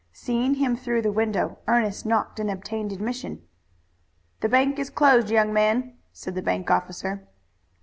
Seeing him through the window, Ernest knocked and obtained admission. "The bank is closed, young man," said the bank officer.